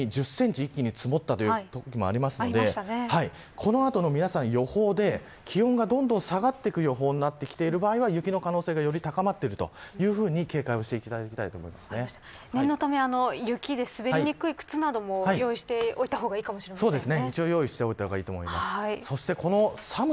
去年も１月に１０センチ一気に積もったときもあったのでこのあとも皆さんの予想で気温がどんどん下がっていく予報になってきている場合は雪の可能性が高まっているというふうに警戒して念のため、雪で滑りにくい靴なども用意しておいたほうがいいかもしれませんね。